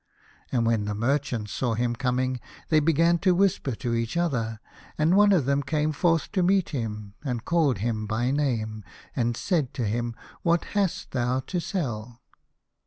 And when the merchants saw him coming, they began to whisper to each other, and one of them came forth to meet him, and called him by name, and said to him, " What hast thou to sell